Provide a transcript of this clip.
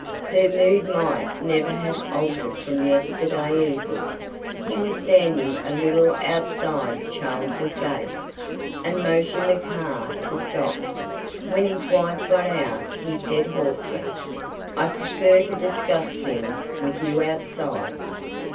Her mood might never have altered from yesterday evening. He was standing a little outside Charles's gate, and motioned the car to stop. When his wife got out he said hoarsely: "I prefer to discuss things with you outside."